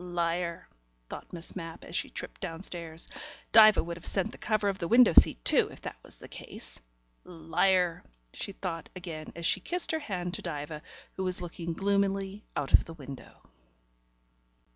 "Liar," thought Miss Mapp, as she tripped downstairs. "Diva would have sent the cover of the window seat too, if that was the case. Liar," she thought again as she kissed her hand to Diva, who was looking gloomily out of the window.